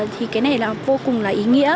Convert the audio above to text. thì cái này vô cùng là ý nghĩa